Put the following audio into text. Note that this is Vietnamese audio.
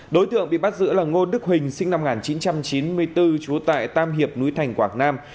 đối tượng bị bắt giữ là ngô đức huỳnh sinh năm một nghìn chín trăm chín mươi bốn trú tại tam hiệp núi thành quảng nam